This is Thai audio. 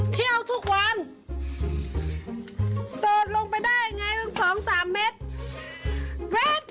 เที่ยวทุกวันโดดลงไปได้ไงสองสามเมตร